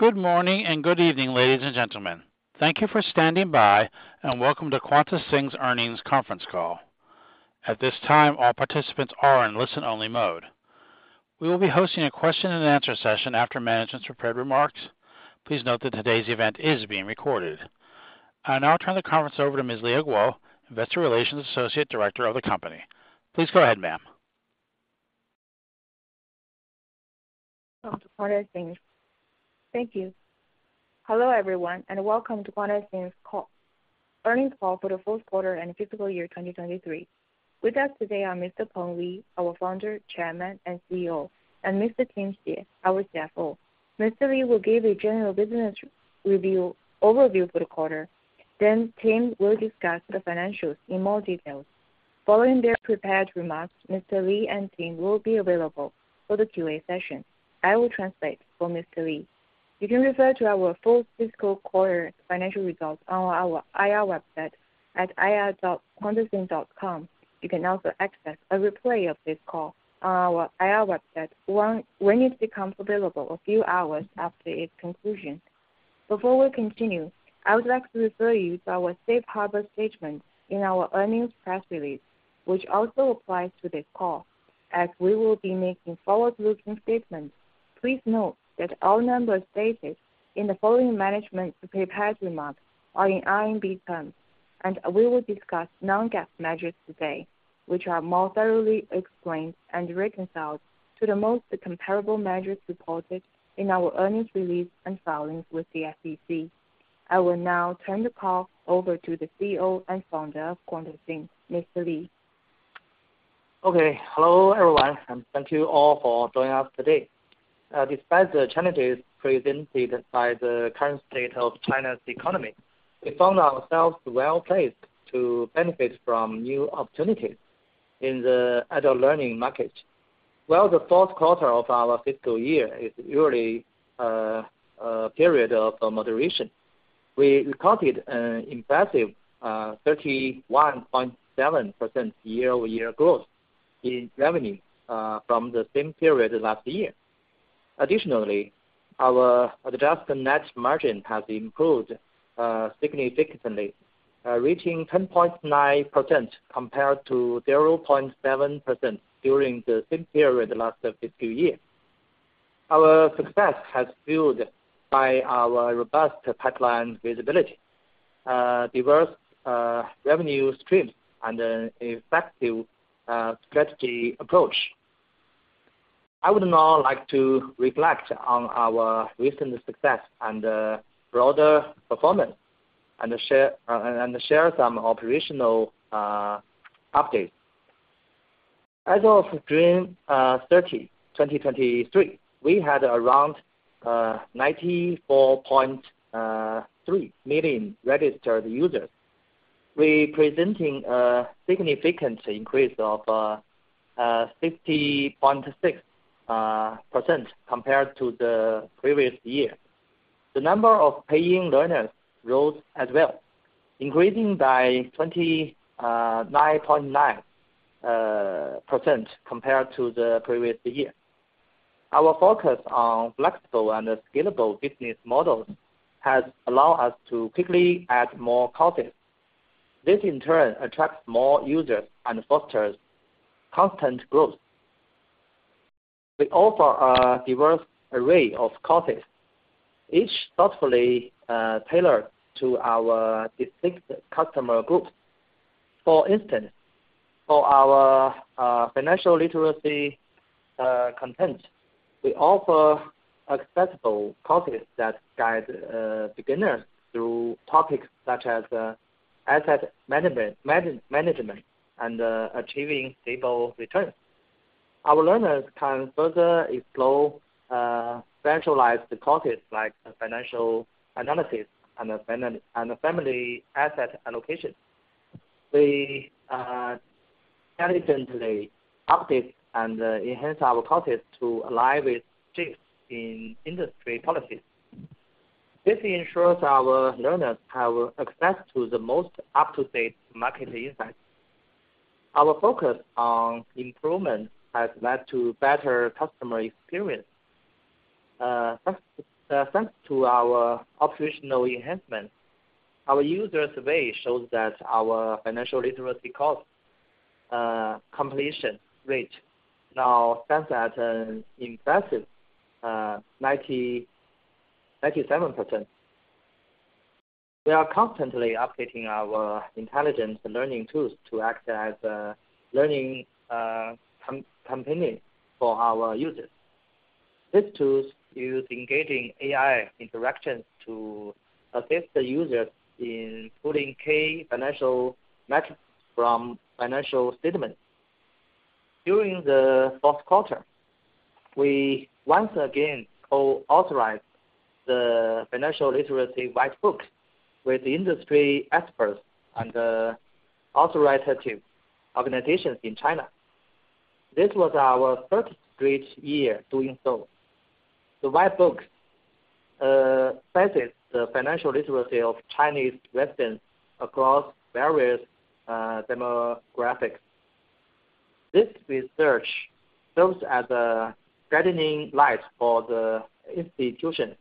Good morning, and good evening, ladies and gentlemen. Thank you for standing by, and welcome to QuantaSing's Earnings Conference Call. At this time, all participants are in listen-only mode. We will be hosting a question and answer session after management's prepared remarks. Please note that today's event is being recorded. I'll now turn the conference over to Ms. Leah Guo, Investor Relations Associate Director of the company. Please go ahead, ma'am. Welcome to QuantaSing's. Thank you. Hello, everyone, and welcome to QuantaSing's earnings call for the fourth quarter and fiscal year 2023. With us today are Mr. Peng Li, our founder, chairman, and CEO, and Mr. Tim Xie, our CFO. Mr. Li will give a general business review, overview for the quarter, then Tim will discuss the financials in more details. Following their prepared remarks, Mr. Li and Tim will be available for the Q&A session. I will translate for Mr. Li. You can refer to our full fiscal quarter financial results on our IR website at ir.quantasing.com. You can also access a replay of this call on our IR website once-- when it becomes available a few hours after its conclusion. Before we continue, I would like to refer you to our safe harbor statement in our earnings press release, which also applies to this call. As we will be making forward-looking statements, please note that all numbers stated in the following management prepared remarks are in RMB terms, and we will discuss non-GAAP measures today, which are more thoroughly explained and reconciled to the most comparable measures reported in our earnings release and filings with the SEC. I will now turn the call over to the CEO and founder of QuantaSing, Mr. Li. Okay, hello, everyone, and thank you all for joining us today. Despite the challenges presented by the current state of China's economy, we found ourselves well-placed to benefit from new opportunities in the adult learning market. While the fourth quarter of our fiscal year is usually a period of moderation, we recorded an impressive 31.7% year-over-year growth in revenue from the same period last year. Additionally, our adjusted net margin has improved significantly, reaching 10.9% compared to 0.7% during the same period last fiscal year. Our success has fueled by our robust pipeline visibility, diverse revenue streams, and an effective strategy approach. I would now like to reflect on our recent success and broader performance, and share some operational updates. As of June 30, 2023, we had around 94.3 million registered users, representing a significant increase of 50.6% compared to the previous year. The number of paying learners rose as well, increasing by 29.9% compared to the previous year. Our focus on flexible and scalable business models has allowed us to quickly add more courses. This, in turn, attracts more users and fosters constant growth. We offer a diverse array of courses, each thoughtfully tailored to our distinct customer groups. For instance, for our financial literacy content, we offer accessible courses that guide beginners through topics such as asset management and achieving stable returns. Our learners can further explore specialized courses like financial analysis and family asset allocation. We diligently update and enhance our courses to align with shifts in industry policies. This ensures our learners have access to the most up-to-date market insights. Our focus on improvement has led to better customer experience. Thanks to our operational enhancements, our user survey shows that our financial literacy course completion rate now stands at an impressive 97%. We are constantly updating our intelligent learning tools to act as a learning companion for our users. These tools use engaging AI interactions to assist the users in pulling key financial metrics from financial statements. During the fourth quarter, we once again co-authorized the Financial Literacy White Book with industry experts and authoritative organizations in China. This was our third straight year doing so. The White Book stresses the financial literacy of Chinese residents across various demographics. This research serves as a guiding light for the institution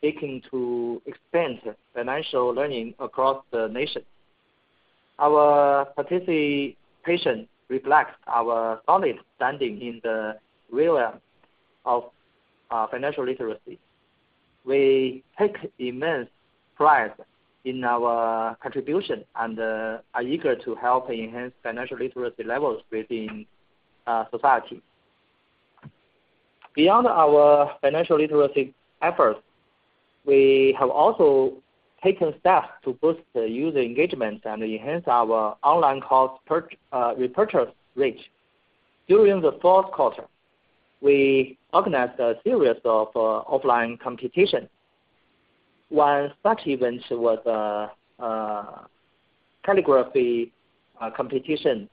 seeking to expand financial learning across the nation. Our participation reflects our solid standing in the realm of financial literacy. We take immense pride in our contribution and are eager to help enhance financial literacy levels within society. Beyond our financial literacy efforts, we have also taken steps to boost the user engagement and enhance our online course repurchase rate. During the fourth quarter, we organized a series of offline competitions. One such event was a calligraphy competition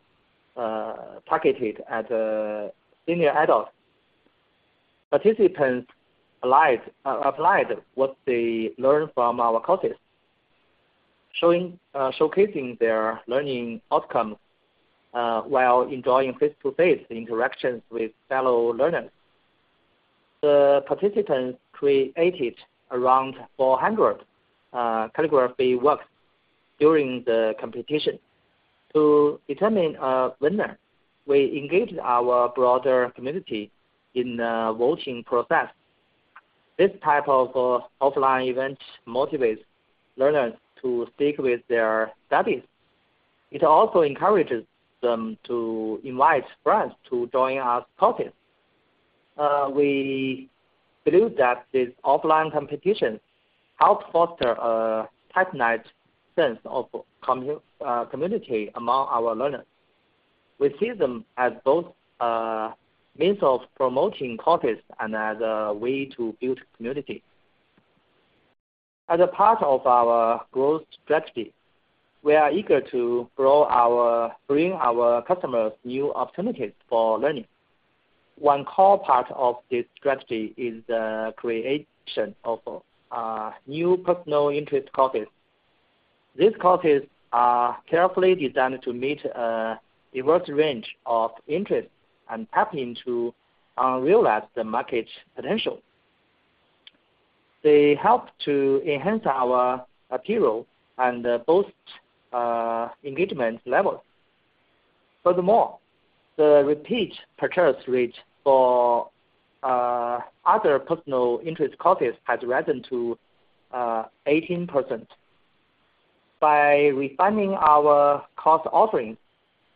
targeted at senior adults. Participants applied what they learned from our courses, showcasing their learning outcomes while enjoying face-to-face interactions with fellow learners. The participants created around 400 calligraphy works during the competition. To determine a winner, we engaged our broader community in the voting process. This type of offline event motivates learners to stick with their studies. It also encourages them to invite friends to join our courses. We believe that this offline competition helps foster a tightened sense of community among our learners. We see them as both means of promoting courses and as a way to build community. As a part of our growth strategy, we are eager to bring our customers new opportunities for learning. One core part of this strategy is the creation of new personal interest courses. These courses are carefully designed to meet a diverse range of interests and tapping into unrealized the market potential. They help to enhance our appeal and boost engagement levels. Furthermore, the repeat purchase rate for other personal interest courses has risen to 18%. By refining our course offerings,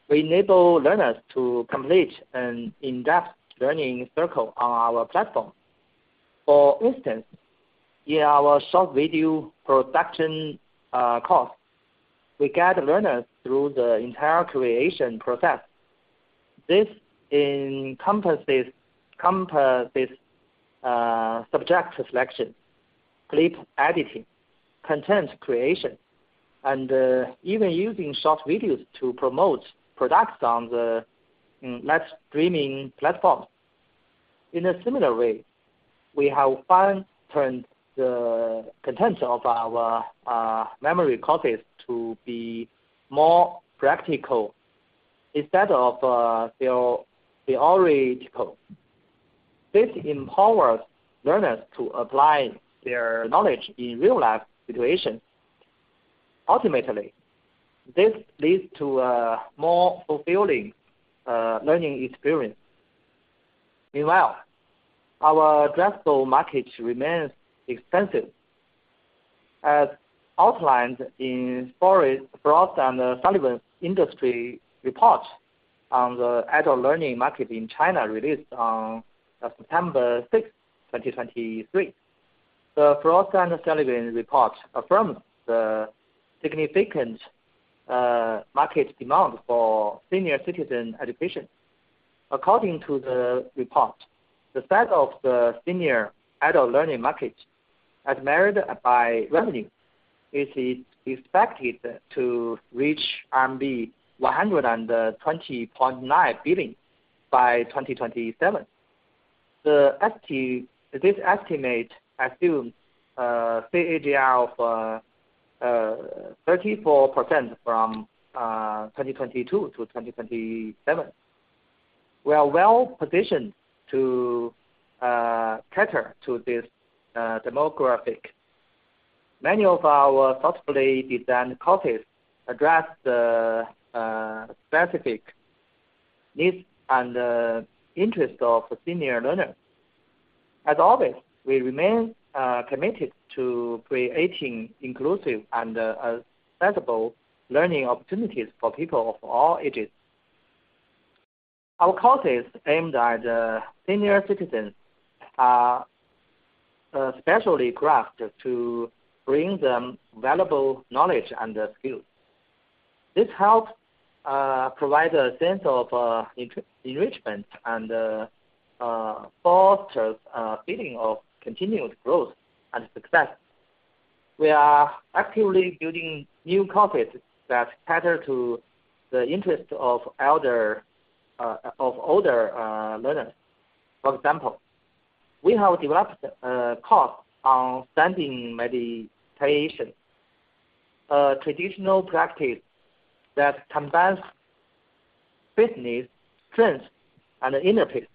we enable learners to complete an in-depth learning circle on our platform. For instance, in our short video production course, we guide learners through the entire creation process. This encompasses subject selection, clip editing, content creation, and even using short videos to promote products on the live streaming platform. In a similar way, we have fine-tuned the content of our memory courses to be more practical instead of theoretical. This empowers learners to apply their knowledge in real-life situations. Ultimately, this leads to a more fulfilling learning experience. Meanwhile, our addressable market remains expansive. As outlined in Frost & Sullivan's industry report on the adult learning market in China, released on September 6, 2023. The Frost & Sullivan report affirms the significant market demand for senior citizen education. According to the report, the size of the senior adult learning market, as measured by revenue, is expected to reach RMB 120.9 billion by 2027. This estimate assumes a CAGR of 34% from 2022 to 2027. We are well positioned to cater to this demographic. Many of our thoughtfully designed courses address the specific needs and interests of senior learners. As always, we remain committed to creating inclusive and accessible learning opportunities for people of all ages. Our courses aimed at senior citizens are specially crafted to bring them valuable knowledge and skills. This helps provide a sense of enrichment and fosters a feeling of continuous growth and success. We are actively building new courses that cater to the interests of elder, of older learners. For example, we have developed a course on standing meditation, traditional practice that combines business, strength, and inner peace.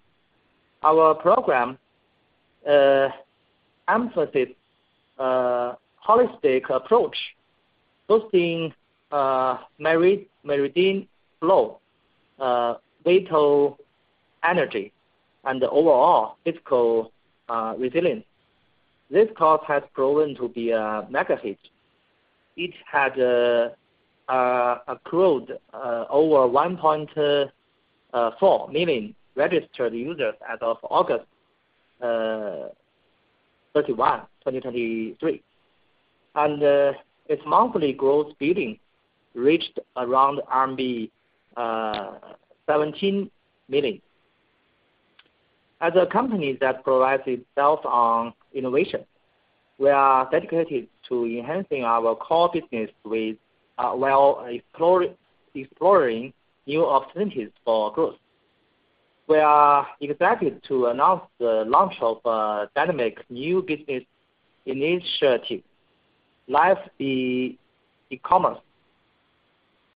Our program emphasizes holistic approach, boosting meridian flow, vital energy, and overall physical resilience. This course has proven to be a mega hit. It had accrued over 1.4 million registered users as of August 31, 2023, and its monthly gross billing reached around RMB 17 million. As a company that prides itself on innovation, we are dedicated to enhancing our core business with while exploring new opportunities for growth. We are excited to announce the launch of a dynamic new business initiative, live e-commerce,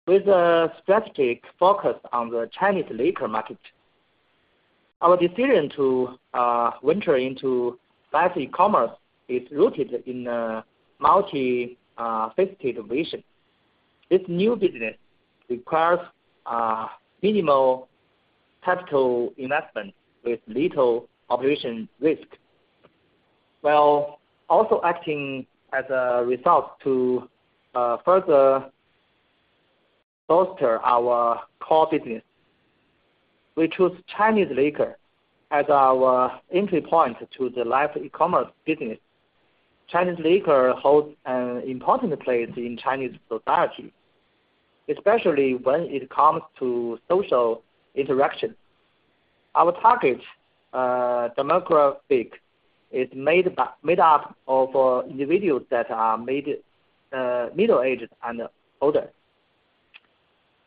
with a strategic focus on the Chinese liquor market. Our decision to venture into live e-commerce is rooted in a multifaceted vision. This new business requires minimal capital investment with little operation risk, while also acting as a resource to further bolster our core business. We chose Chinese liquor as our entry point to the live e-commerce business. Chinese liquor holds an important place in Chinese society, especially when it comes to social interaction. Our target demographic is made up of individuals that are middle-aged and older.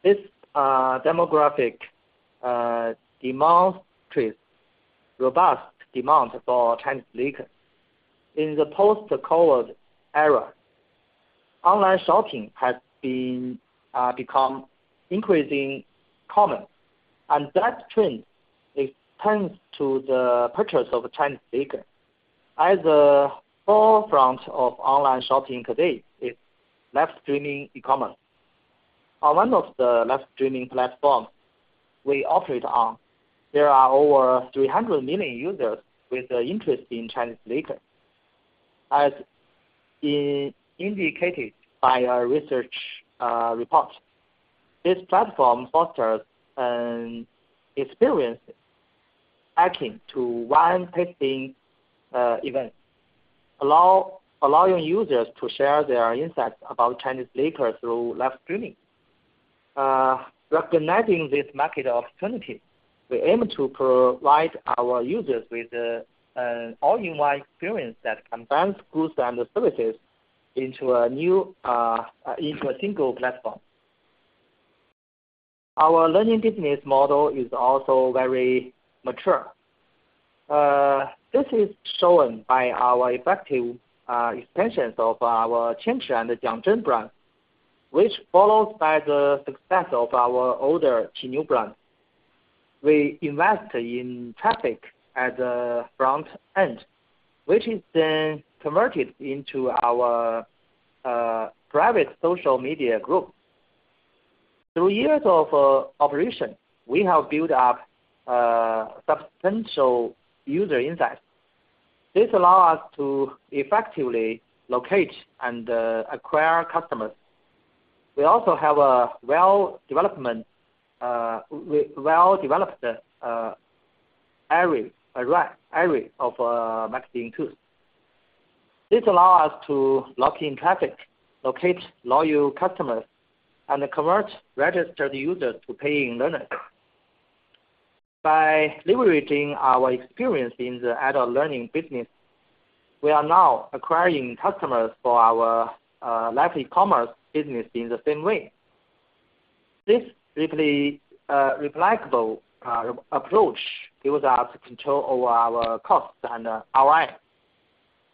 This demographic demonstrates robust demand for Chinese liquor. In the post-COVID era, online shopping has become increasingly common, and that trend extends to the purchase of Chinese liquor. At the forefront of online shopping today is live streaming e-commerce. On one of the live streaming platforms we operate on, there are over 300 million users with an interest in Chinese liquor. As is indicated by our research report, this platform fosters an experience akin to wine tasting event, allowing users to share their insights about Chinese liquor through live streaming. Recognizing this market opportunity, we aim to provide our users with a, an all-in-one experience that combines goods and services into a new, into a single platform. Our learning business model is also very mature. This is shown by our effective expansions of our QianChi and JiangZhen brand, which follows by the success of our older QiNiu brand. We invest in traffic at the front end, which is then converted into our private social media group. Through years of operation, we have built up substantial user insights. This allows us to effectively locate and acquire customers. We also have a well-developed array of marketing tools. This allows us to lock in traffic, locate loyal customers, and convert registered users to paying learners. By leveraging our experience in the adult learning business, we are now acquiring customers for our live e-commerce business in the same way. This really replicable approach gives us control over our costs and ROI,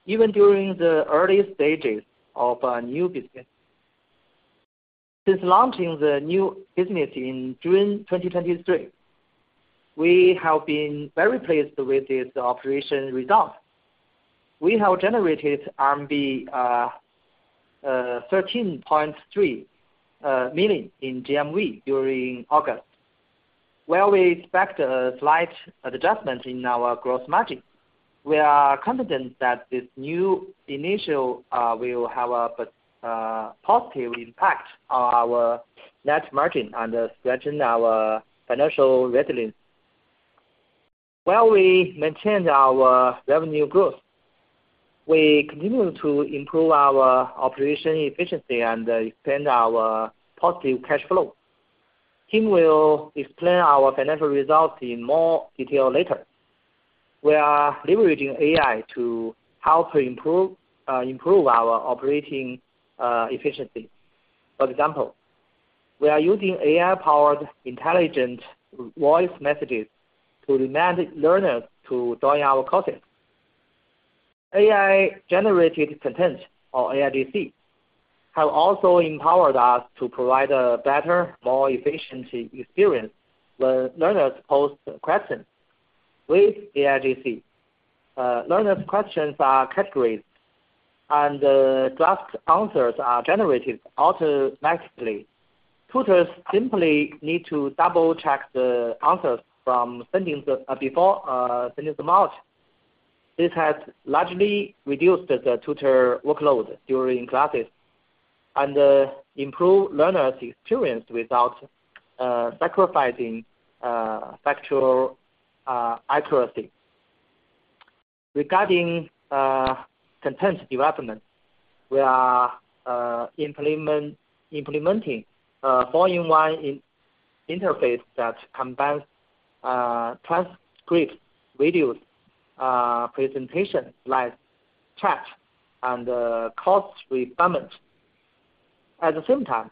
even during the early stages of a new business. Since launching the new business in June 2023, we have been very pleased with its operation results. We have generated RMB 13.3 million in GMV during August, where we expect a slight adjustment in our gross margin. We are confident that this new initial will have a positive impact on our net margin and strengthen our financial resilience. While we maintain our revenue growth, we continue to improve our operation efficiency and expand our positive cash flow. Tim will explain our financial results in more detail later. We are leveraging AI to help improve our operating efficiency. For example, we are using AI-powered intelligent voice messages to remind learners to join our courses. AI-generated content, or AIGC, have also empowered us to provide a better, more efficient experience when learners pose questions. With AIGC, learners' questions are categorized, and the draft answers are generated automatically. Tutors simply need to double-check the answers before sending them out. This has largely reduced the tutor workload during classes and improve learners' experience without sacrificing factual accuracy. Regarding content development, we are implementing a four-in-one interface that combines transcripts, videos, presentation, live chat, and course requirement. At the same time,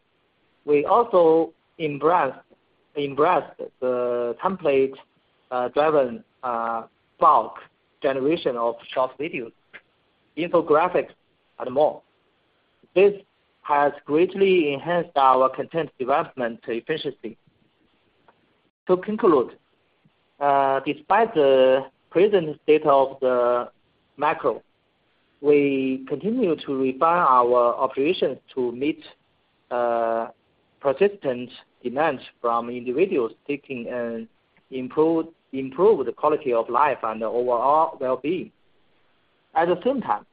we also embrace the template-driven bulk generation of short videos, infographics, and more. This has greatly enhanced our content development efficiency. To conclude, despite the present state of the macro, we continue to refine our operations to meet persistent demands from individuals seeking and improve the quality of life and overall well-being. At the same time,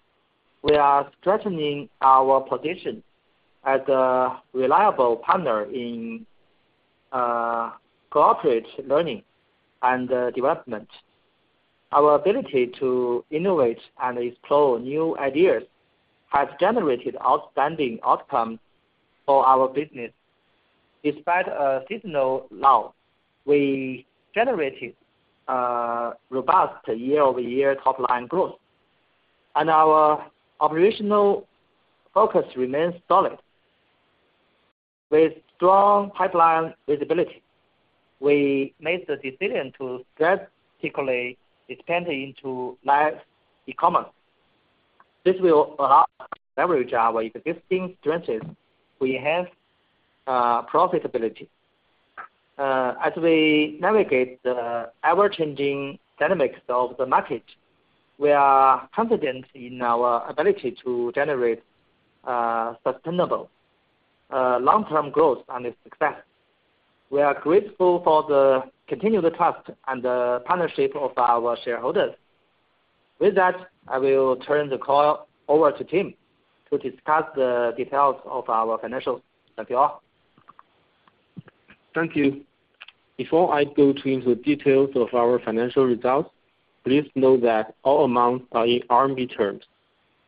we are strengthening our position as a reliable partner in corporate learning and development. Our ability to innovate and explore new ideas has generated outstanding outcomes for our business. Despite a seasonal lull, we generated robust year-over-year top line growth, and our operational focus remains solid. With strong pipeline visibility, we made the decision to drastically expand into live e-commerce. This will allow leverage our existing strategies to enhance profitability. As we navigate the ever-changing dynamics of the market, we are confident in our ability to generate sustainable long-term growth and success. We are grateful for the continued trust and the partnership of our shareholders. With that, I will turn the call over to Tim to discuss the details of our financials. Thank you all. Thank you. Before I go into the details of our financial results, please note that all amounts are in RMB terms.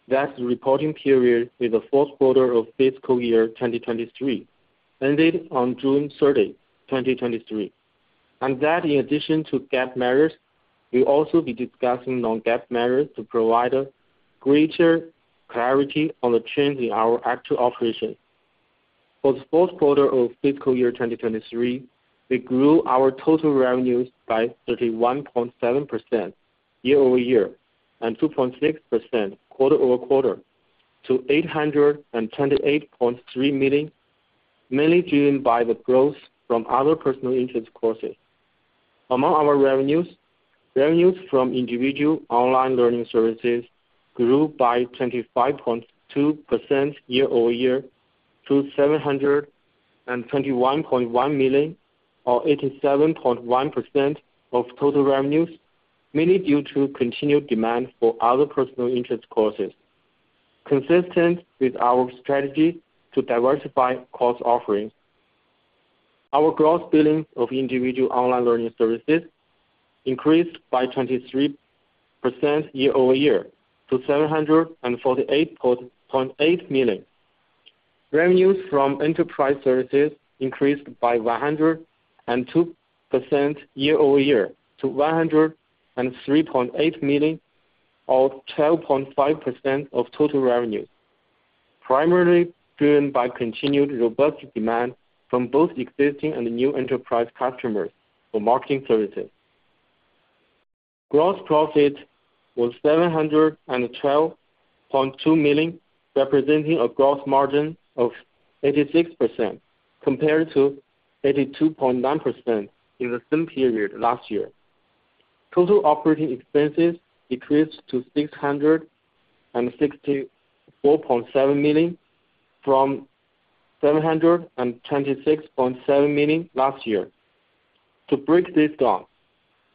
That the reporting period is the fourth quarter of fiscal year 2023, ended on June 30, 2023. And that in addition to GAAP measures, we'll also be discussing non-GAAP measures to provide a greater clarity on the trends in our actual operations. For the fourth quarter of fiscal year 2023, we grew our total revenues by 31.7% year-over-year, and 2.6% quarter-over-quarter, to 828.3 million, mainly driven by the growth from other personal interest courses. Among our revenues, revenues from individual online learning services grew by 25.2% year-over-year to 721.1 million, or 87.1% of total revenues, mainly due to continued demand for other personal interest courses. Consistent with our strategy to diversify course offerings, our gross billing of individual online learning services increased by 23% year-over-year to 748.8 million. Revenues from enterprise services increased by 102% year-over-year to 103.8 million, or 12.5% of total revenues, primarily driven by continued robust demand from both existing and new enterprise customers for marketing services. Gross profit was 712.2 million, representing a gross margin of 86%, compared to 82.9% in the same period last year. Total operating expenses decreased to 664.7 million from 726.7 million last year. To break this down,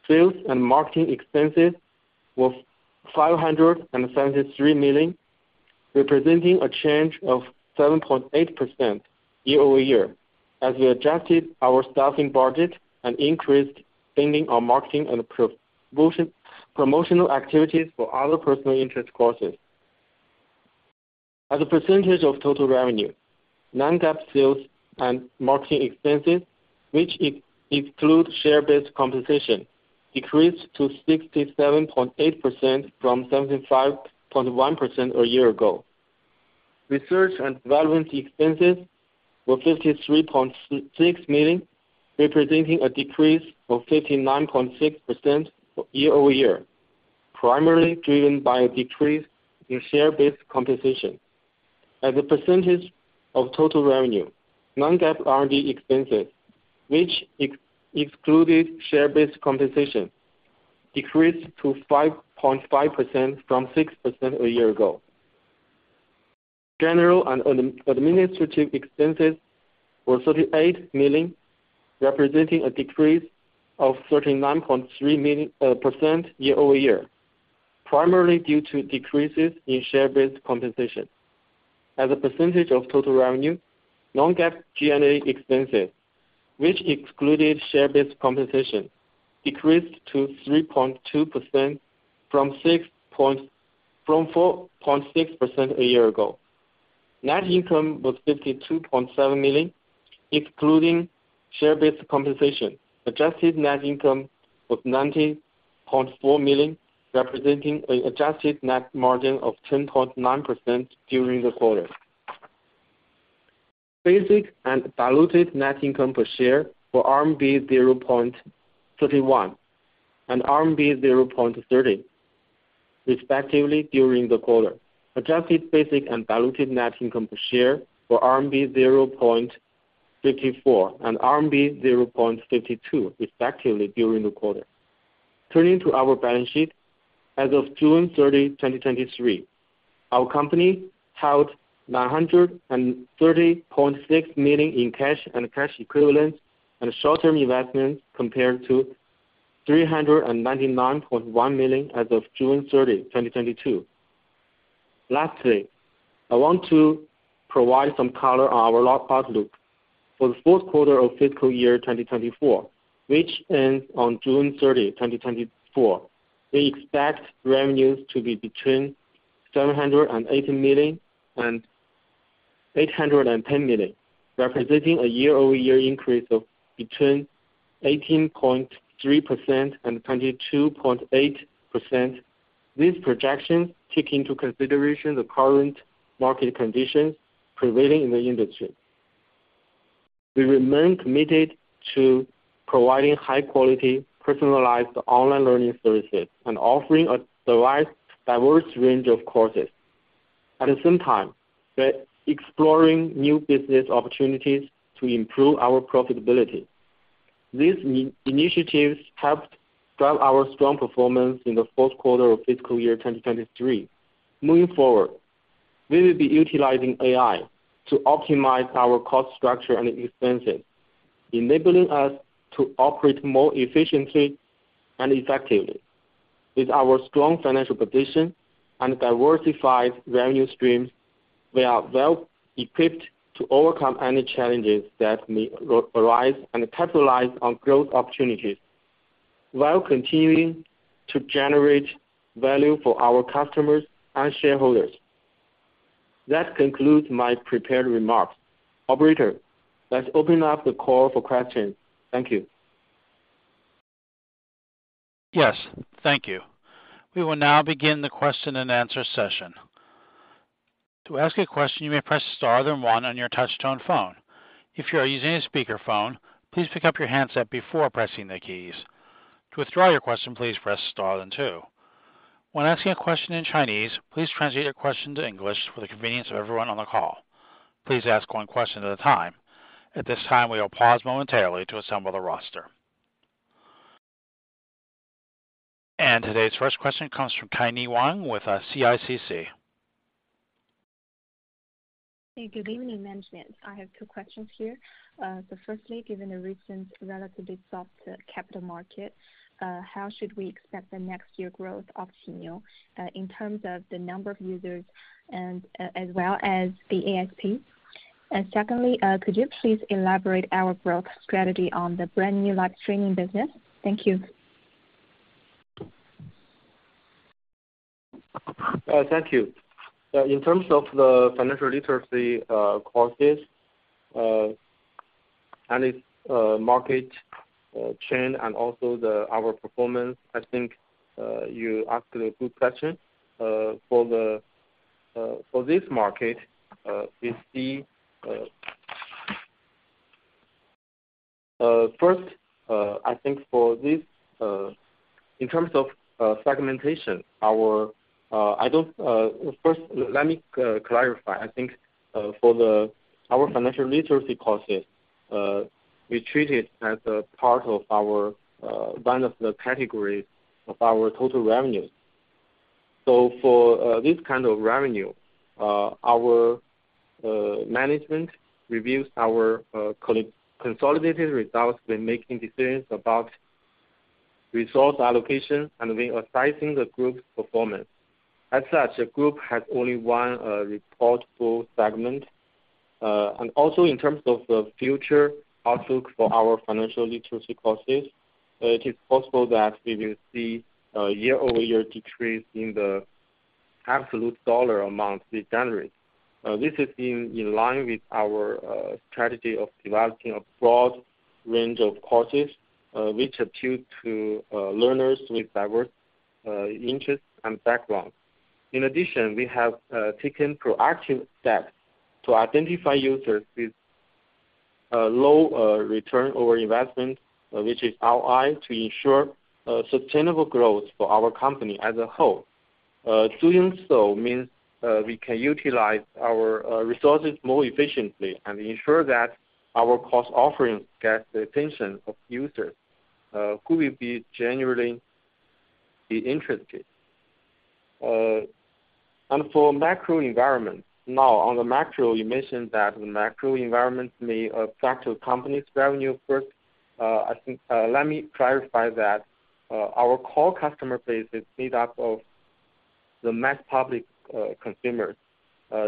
sales and marketing expenses were 573 million, representing a change of 7.8% year-over-year, as we adjusted our staffing budget and increased spending on marketing and promotional activities for other personal interest courses. As a percentage of total revenue, non-GAAP sales and marketing expenses, which exclude share-based compensation, decreased to 67.8% from 75.1% a year ago. Research and development expenses were 53.6 million, representing a decrease of 59.6% year-over-year, primarily driven by a decrease in share-based compensation. As a percentage of total revenue, non-GAAP R&D expenses, which excluded share-based compensation, decreased to 5.5% from 6% a year ago. General and administrative expenses were 38 million, representing a decrease of 39.3% year-over-year, primarily due to decreases in share-based compensation. As a percentage of total revenue, non-GAAP G&A expenses, which excluded share-based compensation, decreased to 3.2% from 4.6% a year ago. Net income was 52.7 million, excluding share-based compensation. Adjusted net income was 19.4 million, representing an adjusted net margin of 10.9% during the quarter. Basic and diluted net income per share were RMB 0.31 and RMB 0.30, respectively, during the quarter. Adjusted basic and diluted net income per share were RMB 0.34 and RMB 0.32, respectively, during the quarter. Turning to our balance sheet. As of June 30, 2023, our company held 930.6 million in cash and cash equivalents and short-term investments, compared to 399.1 million as of June 30, 2022. Lastly, I want to provide some color on our outlook. For the fourth quarter of fiscal year 2024, which ends on June 30, 2024, we expect revenues to be between 780 million and 810 million, representing a year-over-year increase of between 18.3% and 22.8%. These projections take into consideration the current market conditions prevailing in the industry. We remain committed to providing high-quality, personalized online learning services and offering a diverse, diverse range of courses. At the same time, we're exploring new business opportunities to improve our profitability. These initiatives helped drive our strong performance in the fourth quarter of fiscal year 2023. Moving forward, we will be utilizing AI to optimize our cost structure and expenses, enabling us to operate more efficiently and effectively. With our strong financial position and diversified revenue streams, we are well equipped to overcome any challenges that may arise and capitalize on growth opportunities, while continuing to generate value for our customers and shareholders. That concludes my prepared remarks. Operator, let's open up the call for questions. Thank you. Yes, thank you. We will now begin the question and answer session. To ask a question, you may press star then one on your touchtone phone. If you are using a speakerphone, please pick up your handset before pressing the keys. To withdraw your question, please press star then two. When asking a question in Chinese, please translate your question to English for the convenience of everyone on the call. Please ask one question at a time. At this time, we will pause momentarily to assemble the roster. Today's first question comes from Kaini Wang with CICC. Hey, good evening, management. I have two questions here. So firstly, given the recent relatively soft capital market, how should we expect the next year growth of QiNiu, in terms of the number of users and as well as the ASP? And secondly, could you please elaborate our growth strategy on the brand new live streaming business? Thank you. Thank you. In terms of the financial literacy courses and its market trend, and also our performance, I think you asked a good question. For this market, we see. First, I think for this, in terms of segmentation. First, let me clarify. I think for our financial literacy courses, we treat it as a part of our one of the categories of our total revenues. So for this kind of revenue, our management reviews our consolidated results when making decisions about resource allocation and when assessing the group's performance. As such, the group has only one reportable segment. And also in terms of the future outlook for our financial literacy courses, it is possible that we will see a year-over-year decrease in the absolute dollar amount we generate. This is in line with our strategy of developing a broad range of courses, which appeal to learners with diverse interests and backgrounds. In addition, we have taken proactive steps to identify users with low return on investment, which is our way to ensure sustainable growth for our company as a whole. Doing so means we can utilize our resources more efficiently and ensure that our course offering gets the attention of users who will be genuinely interested. And for macro environment. Now, on the macro, you mentioned that the macro environment may affect the company's revenue first. I think, let me clarify that. Our core customer base is made up of the mass public, consumers.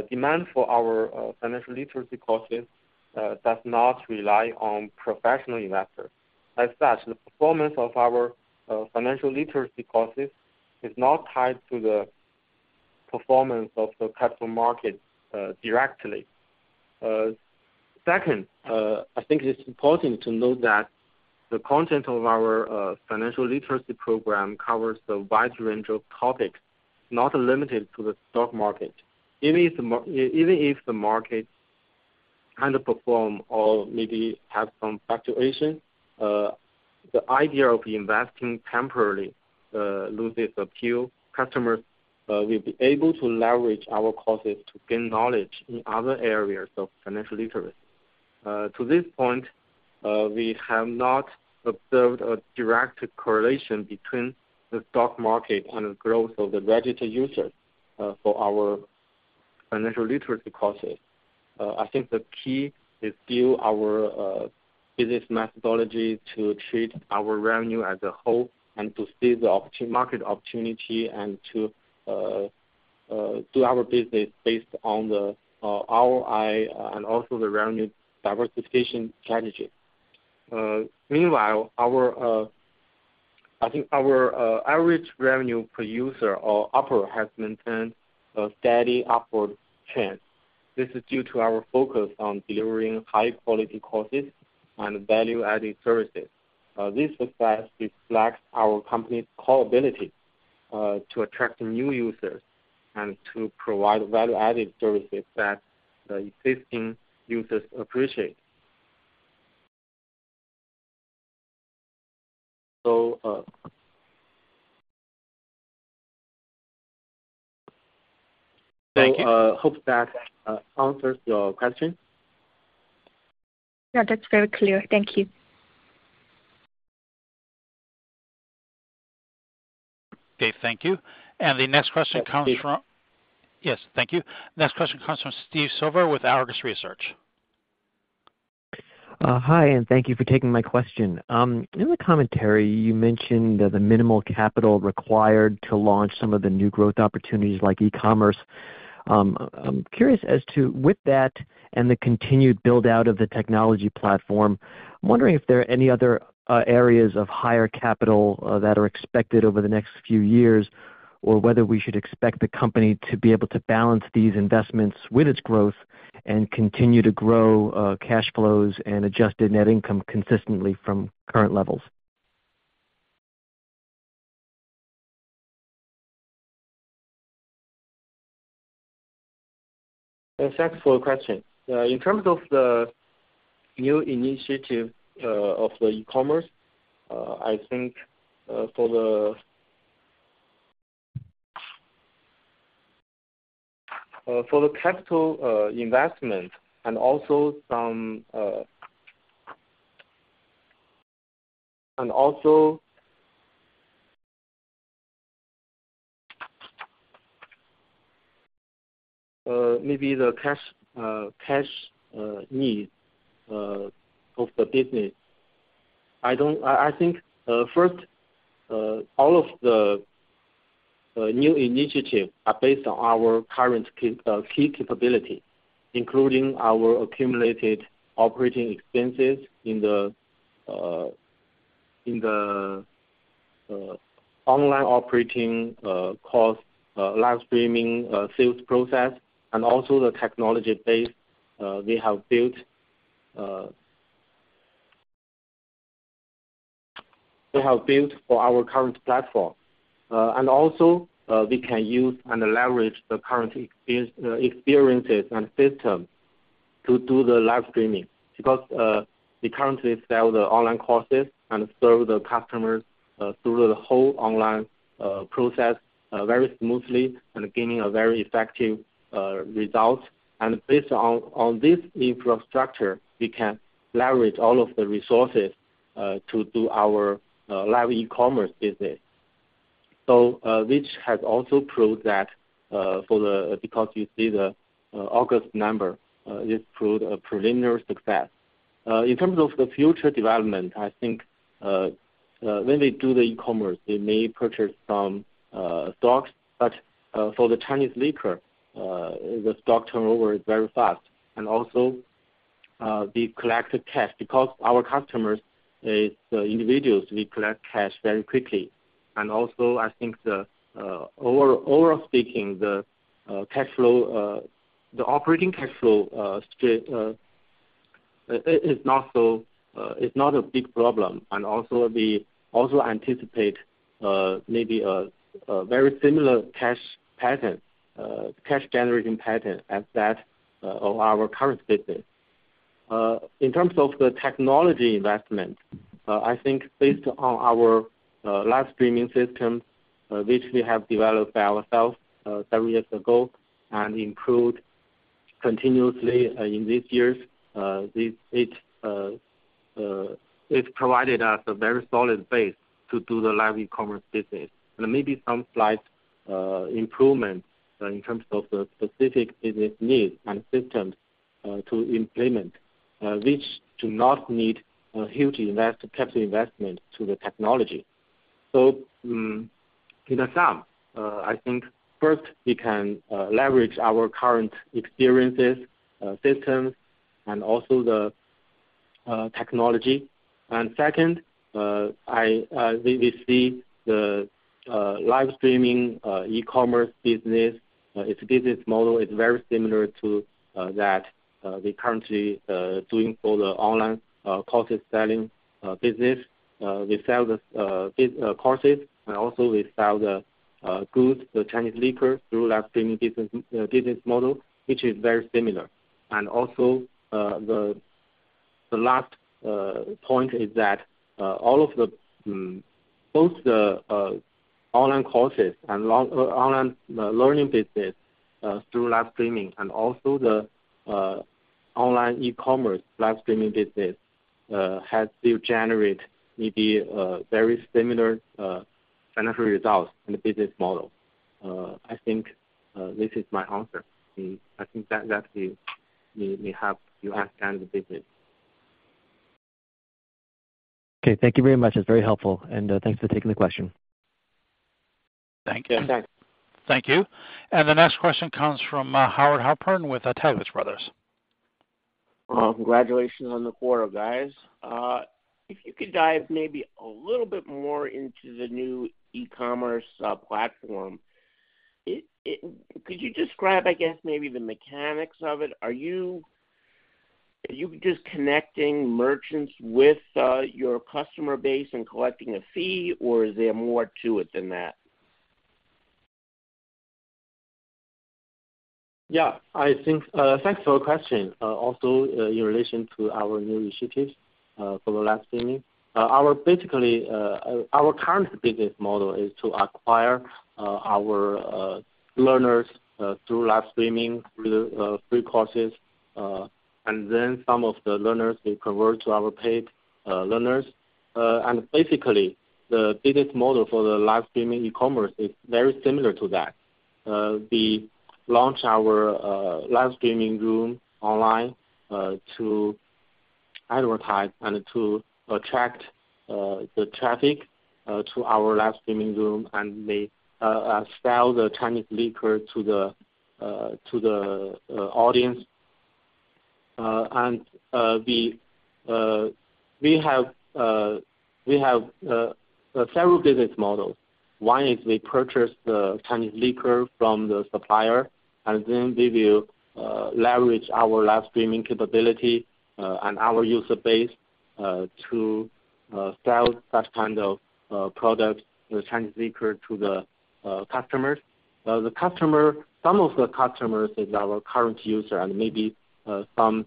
Demand for our financial literacy courses does not rely on professional investors. As such, the performance of our financial literacy courses is not tied to the performance of the capital market, directly. Second, I think it's important to note that the content of our financial literacy program covers a wide range of topics, not limited to the stock market. Even if the market kind of perform or maybe have some fluctuation, the idea of investing temporarily loses appeal, customers will be able to leverage our courses to gain knowledge in other areas of financial literacy. To this point, we have not observed a direct correlation between the stock market and the growth of the registered users for our financial literacy courses. I think the key is to our business methodology to treat our revenue as a whole and to see the opportunity, market opportunity and to do our business based on our AI, and also the revenue diversification strategy. Meanwhile, I think our ARPU has maintained a steady upward trend. This is due to our focus on delivering high-quality courses and value-added services. This success reflects our company's core ability to attract new users and to provide value-added services that the existing users appreciate. So, Thank you. I hope that answers your question. Yeah, that's very clear. Thank you. Dave, thank you. The next question comes from- Thanks, Dave. Yes, thank you. Next question comes from Steve Silver with Argus Research. Hi, and thank you for taking my question. In the commentary, you mentioned the minimal capital required to launch some of the new growth opportunities like e-commerce. I'm curious as to, with that and the continued build-out of the technology platform, I'm wondering if there are any other areas of higher capital that are expected over the next few years, or whether we should expect the company to be able to balance these investments with its growth and continue to grow cash flows and adjusted net income consistently from current levels? Thanks for the question. In terms of the new initiative of the e-commerce, I think, for the capital investment and also some. And also, maybe the cash cash needs of the business. I think, first, all of the new initiatives are based on our current cap, key capability, including our accumulated operating expenses in the online operating cost, live streaming sales process, and also the technology base we have built. We have built for our current platform. And also, we can use and leverage the current experience, experiences and systems to do the live streaming, because we currently sell the online courses and serve the customers through the whole online process very smoothly and gaining a very effective result. Based on this infrastructure, we can leverage all of the resources to do our live e-commerce business. So, which has also proved that, for the, because you see the August number, this proved a preliminary success. In terms of the future development, I think, when they do the e-commerce, they may purchase some stocks, but for the Chinese liquor, the stock turnover is very fast. And also, we collect the cash. Because our customers is individuals, we collect cash very quickly. And also, I think overall speaking, the cash flow, the operating cash flow. It's not so, it's not a big problem, and also we also anticipate maybe a very similar cash pattern, cash generation pattern as that of our current business. In terms of the technology investment, I think based on our live streaming system, which we have developed ourselves several years ago and improved continuously in these years, this, it's provided us a very solid base to do the live e-commerce business. And maybe some slight improvements in terms of the specific business needs and systems to implement, which do not need a huge capital investment to the technology. So, in sum, I think first, we can leverage our current experiences, systems, and also the technology. And second, we see the live streaming e-commerce business, its business model is very similar to that we're currently doing for the online courses selling business. We sell the courses, and also we sell the goods, the Chinese liquor, through live streaming business business model, which is very similar. And also, the last point is that all of the both the online courses and long online learning business through live streaming and also the online e-commerce live streaming business has still generate maybe very similar financial results in the business model. I think, this is my answer. I think that may help you understand the business. Okay, thank you very much. It's very helpful, and thanks for taking the question. Thank you. Thank you. The next question comes from Howard Halpern with Taglich Brothers. Well, congratulations on the quarter, guys. If you could dive maybe a little bit more into the new e-commerce platform, could you describe, I guess, maybe the mechanics of it? Are you just connecting merchants with your customer base and collecting a fee, or is there more to it than that? Yeah, I think, thanks for your question. Also, in relation to our new initiatives, for the live streaming. Our basically our current business model is to acquire our learners through live streaming, through the free courses, and then some of the learners, they convert to our paid learners. And basically, the business model for the live streaming e-commerce is very similar to that. We launch our live streaming room online to advertise and to attract the traffic to our live streaming room, and they sell the Chinese liquor to the audience. And we have several business models. One is we purchase the Chinese liquor from the supplier, and then we will leverage our live streaming capability and our user base to sell that kind of product, the Chinese liquor, to the customers. Some of the customers is our current user and maybe some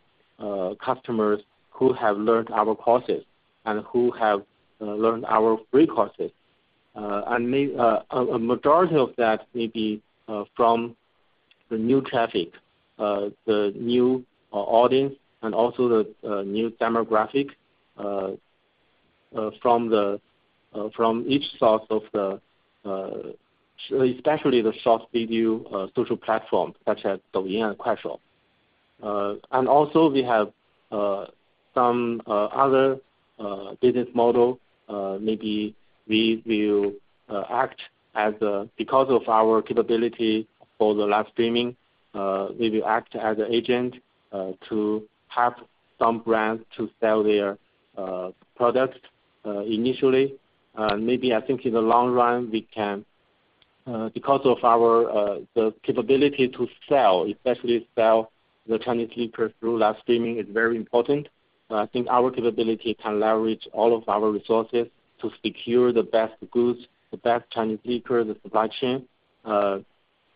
customers who have learned our courses and who have learned our free courses. And maybe a majority of that may be from the new traffic, the new audience, and also the new demographic from each source, especially the short video social platform, such as Douyin and Kuaishou. And also we have some other business model. Maybe we will act as because of our capability for the live streaming, we will act as an agent to help some brands to sell their product initially. Maybe I think in the long run, we can because of our the capability to sell, especially sell the Chinese liquor through live streaming is very important. I think our capability can leverage all of our resources to secure the best goods, the best Chinese liquor, the supply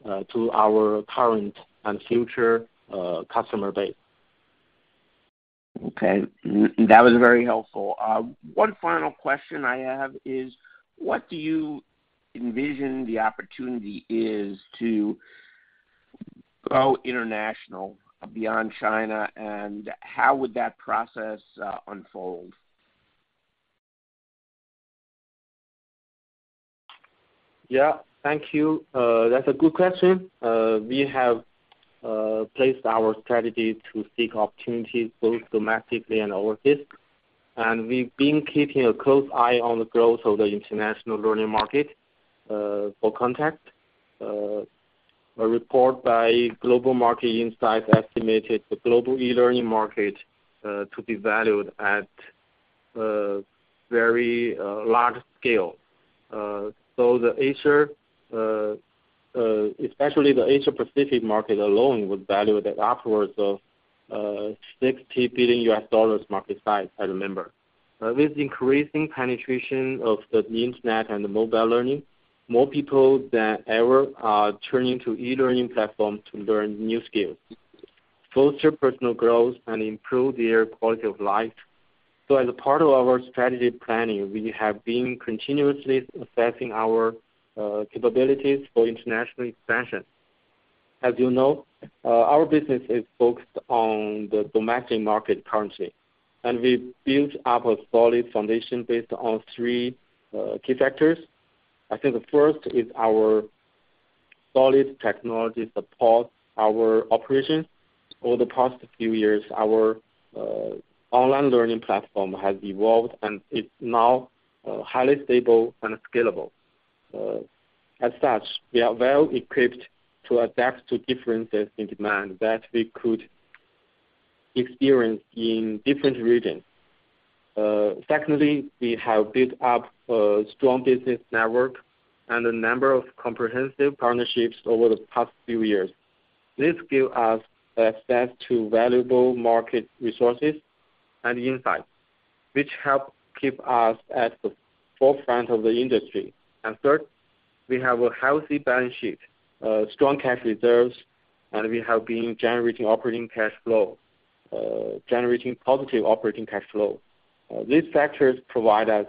chain to our current and future customer base. Okay, that was very helpful. One final question I have is, what do you envision the opportunity is to go international beyond China, and how would that process unfold? Yeah. Thank you. That's a good question. We have placed our strategy to seek opportunities both domestically and overseas, and we've been keeping a close eye on the growth of the international learning market, for contact. A report by Global Market Insights estimated the global e-learning market to be valued at very large scale. So the Asia, especially the Asia Pacific market alone, would value that upwards of $60 billion market size, as a member. With increasing penetration of the internet and the mobile learning, more people than ever are turning to e-learning platform to learn new skills, foster personal growth, and improve their quality of life. So as a part of our strategy planning, we have been continuously assessing our capabilities for international expansion. As you know, our business is focused on the domestic market currently, and we built up a solid foundation based on three key factors. I think the first is our solid technology support, our operations. Over the past few years, our online learning platform has evolved, and it's now highly stable and scalable. As such, we are well equipped to adapt to differences in demand that we could experience in different regions. Secondly, we have built up a strong business network and a number of comprehensive partnerships over the past few years. This give us access to valuable market resources and insights, which help keep us at the forefront of the industry. And third, we have a healthy balance sheet, strong cash reserves, and we have been generating operating cash flow, generating positive operating cash flow. These factors provide us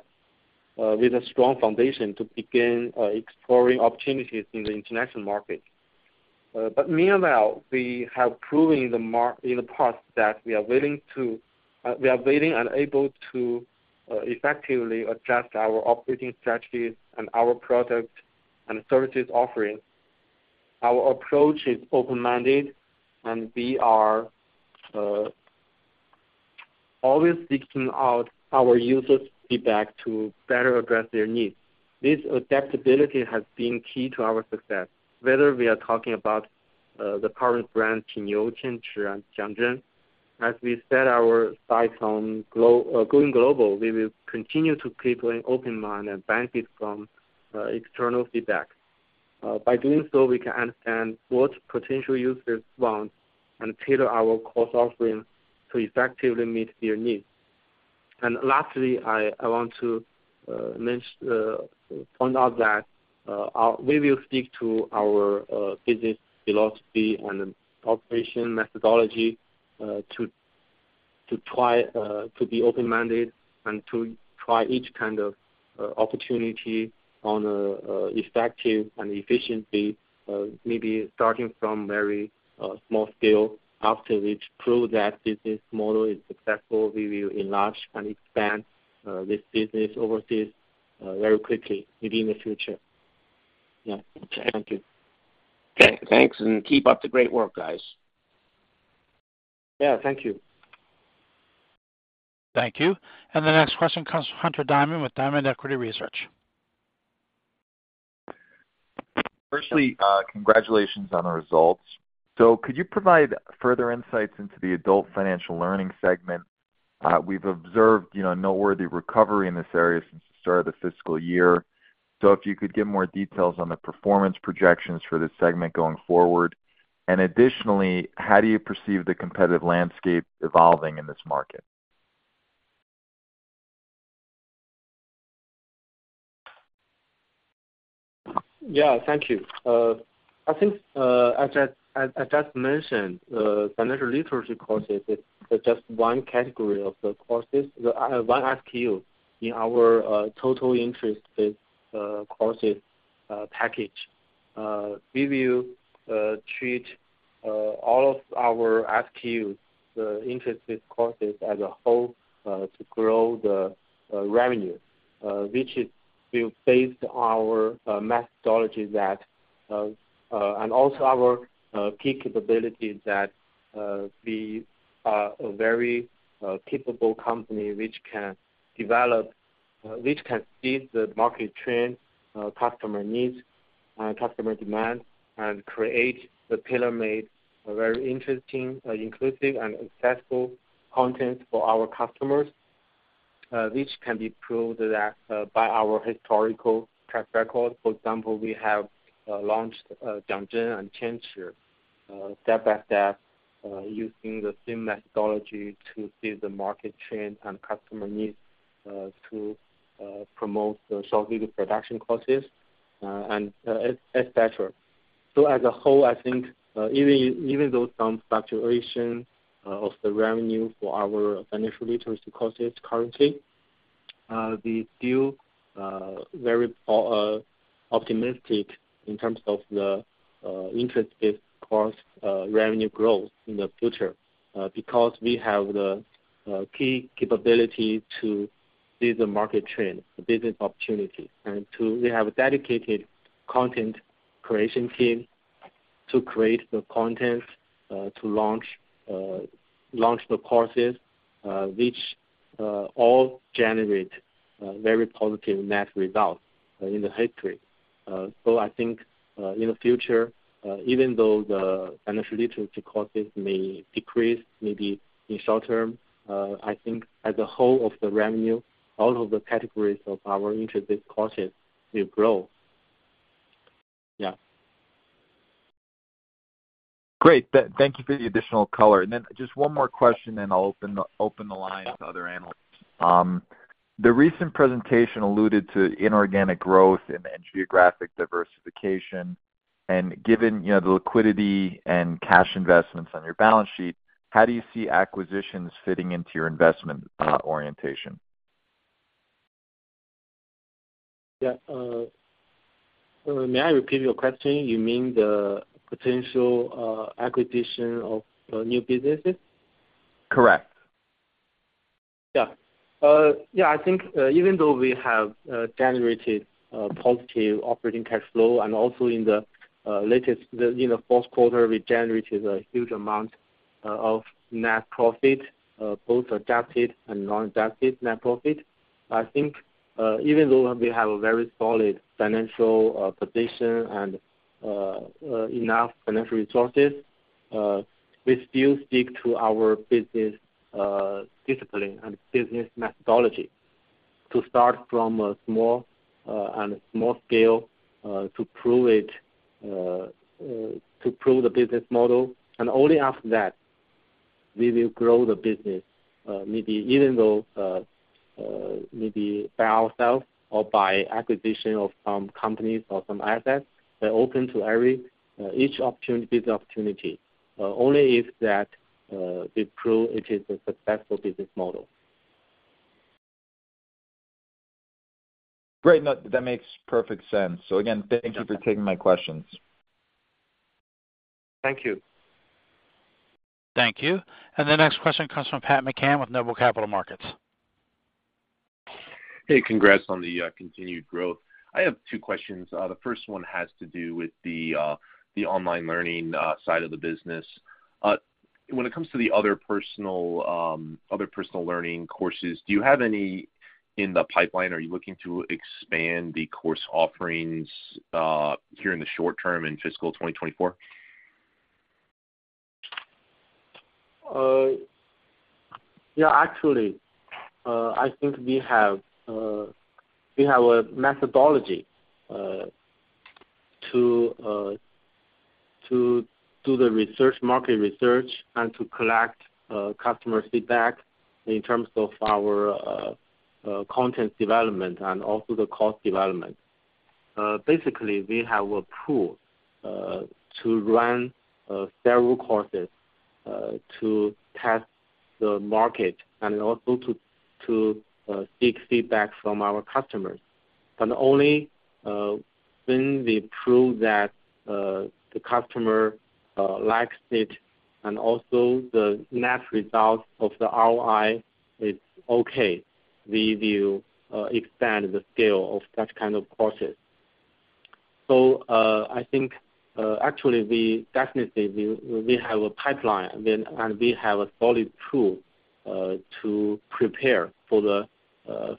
with a strong foundation to begin exploring opportunities in the international market. But meanwhile, we have proven in the past that we are willing to, we are willing and able to effectively adjust our operating strategies and our product and services offerings. Our approach is open-minded, and we are always seeking out our users' feedback to better address their needs. This adaptability has been key to our success, whether we are talking about the current brand, QiNiu, QianChi, and JiangZhen. As we set our sights on going global, we will continue to keep an open mind and benefit from external feedback. By doing so, we can understand what potential users want and tailor our course offerings to effectively meet their needs. Lastly, I want to mention, point out that we will stick to our business philosophy and operation methodology to try to be open-minded and to try each kind of opportunity in an effective and efficient, maybe starting from very small scale. After it's proved that business model is successful, we will enlarge and expand this business overseas very quickly within the future. Yeah. Thank you. Thanks, and keep up the great work, guys. Yeah, thank you. Thank you. The next question comes from Hunter Diamond with Diamond Equity Research. Firstly, congratulations on the results. So could you provide further insights into the adult financial learning segment? We've observed, you know, a noteworthy recovery in this area since the start of the fiscal year. So if you could give more details on the performance projections for this segment going forward. And additionally, how do you perceive the competitive landscape evolving in this market? Yeah. Thank you. I think, as I just mentioned, financial literacy courses is just one category of the courses, one SKU in our total interest-based courses package. We will treat all of our SKUs, the interest-based courses as a whole, to grow the revenue, which is built based our methodology that and also our key capabilities that we are a very capable company, which can develop which can see the market trend, customer needs, and customer demand, and create the tailor-made a very interesting inclusive and accessible content for our customers, which can be proved that by our historical track record. For example, we have launched JiangZhen and QianChi step-by-step using the same methodology to see the market trend and customer needs to promote the short video production courses and etc. So as a whole, I think even though some fluctuation of the revenue for our financial literacy courses currently, we still very optimistic in terms of the interest-based course revenue growth in the future because we have the key capability to see the market trend, the business opportunity, and to, we have a dedicated content creation team to create the content to launch the courses which all generate very positive net results in the history. So I think, in the future, even though the financial literacy courses may decrease, maybe in short term, I think as a whole of the revenue, all of the categories of our interest courses will grow. Yeah. Great. Thank you for the additional color. And then just one more question, and I'll open the line to other analysts. The recent presentation alluded to inorganic growth and geographic diversification. And given, you know, the liquidity and cash investments on your balance sheet, how do you see acquisitions fitting into your investment orientation? Yeah, may I repeat your question? You mean the potential acquisition of new businesses? Correct. Yeah. Yeah, I think, even though we have generated positive operating cash flow, and also in the latest, in the fourth quarter, we generated a huge amount of net profit, both adjusted and non-adjusted net profit. I think, even though we have a very solid financial position and enough financial resources, we still stick to our business discipline and business methodology to start from a small and a small scale, to prove it, to prove the business model, and only after that, we will grow the business, maybe even though, maybe by ourselves or by acquisition of some companies or some assets, we're open to every each opportunity, business opportunity, only if that we prove it is a successful business model. Great! That makes perfect sense. So again, thank you for taking my questions. Thank you. Thank you. And the next question comes from Pat McCann with Noble Capital Markets. Hey, congrats on the continued growth. I have two questions. The first one has to do with the online learning side of the business. When it comes to the other personal, other personal learning courses, do you have any in the pipeline? Are you looking to expand the course offerings here in the short term, in fiscal 2024? Yeah, actually, I think we have a methodology to do the research, market research, and to collect customer feedback in terms of our content development and also the cost development. Basically, we have a pool to run several courses to test the market and also to seek feedback from our customers. And only when we prove that the customer likes it, and also the net result of the ROI is okay, we will expand the scale of that kind of courses. So, I think, actually, we definitely have a pipeline, then, and we have a solid tool to prepare for the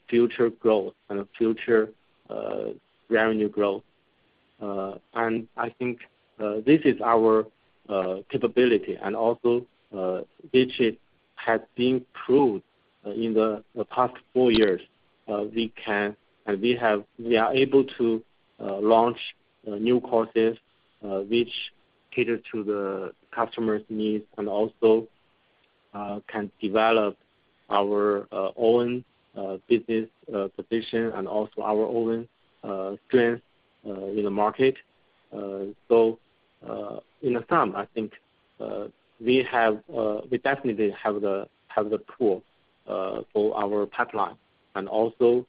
future growth and future revenue growth. I think this is our capability, and also, which has been proved in the past four years. We can, and we have, we are able to launch new courses which cater to the customer's needs and also can develop our own business position and also our own strength in the market. So, in sum, I think we definitely have the pool for our pipeline. And also,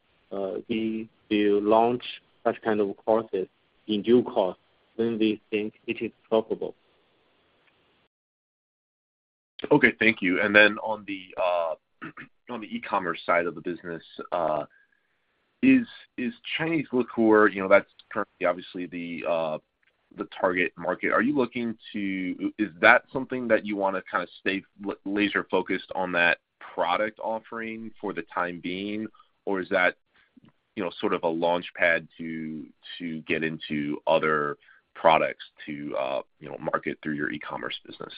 we will launch that kind of courses in due course when we think it is profitable. Okay, thank you. And then on the e-commerce side of the business, is Chinese liquor, you know, that's currently obviously the target market. Are you looking to... Is that something that you wanna kind of stay laser focused on that product offering for the time being? Or is that, you know, sort of a launch pad to get into other products to, you know, market through your e-commerce business?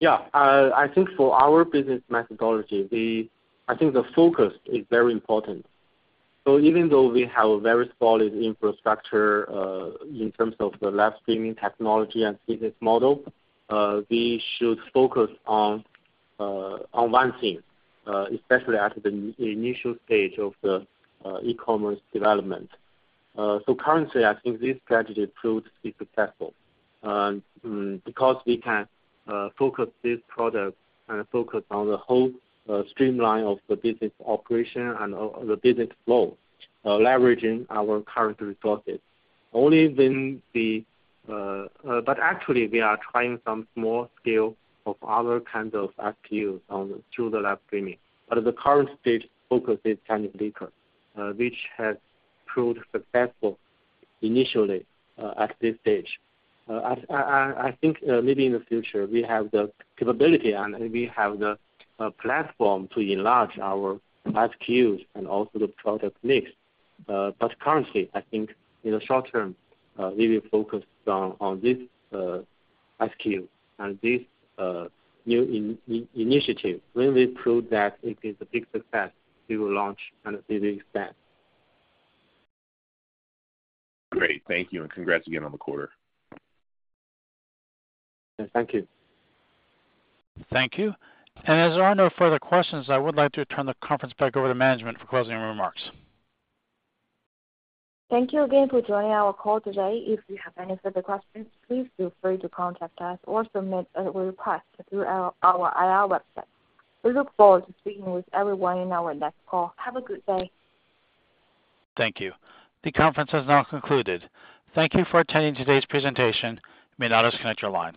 Yeah. I think for our business methodology, I think the focus is very important. So even though we have a very solid infrastructure, in terms of the live streaming technology and business model, we should focus on one thing, especially at the initial stage of the e-commerce development. So currently, I think this strategy proves to be successful, and because we can focus this product and focus on the whole streamline of the business operation and of the business flow, leveraging our current resources. Only then the... But actually, we are trying some small scale of other kinds of SKUs through the live streaming. But at the current stage, focus is Chinese liquor, which has proved successful initially, at this stage. I think maybe in the future, we have the capability, and we have the platform to enlarge our SKUs and also the product mix. But currently, I think in the short term, we will focus down on this SKU and this new initiative. When we prove that it is a big success, we will launch and it will expand. Great. Thank you, and congrats again on the quarter. Thank you. Thank you. As there are no further questions, I would like to turn the conference back over to management for closing remarks. Thank you again for joining our call today. If you have any further questions, please feel free to contact us or submit a request through our IR website. We look forward to speaking with everyone in our next call. Have a good day. Thank you. The conference has now concluded. Thank you for attending today's presentation. You may now disconnect your lines.